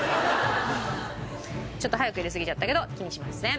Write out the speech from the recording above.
ちょっと早く入れすぎちゃったけど気にしません。